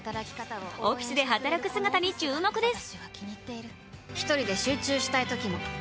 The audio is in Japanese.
オフィスで働く姿に注目です。